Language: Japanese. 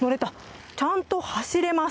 ちゃんと走れます。